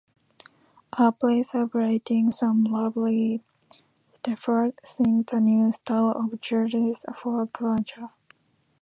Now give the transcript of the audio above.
Happily celebrating, some lovely shepherds sing the new style of juguetes for a guaracha.